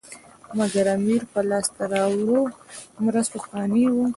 مګر امیر په لاسته راوړو مرستو قانع وو.